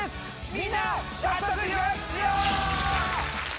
みんな早速予約しよう！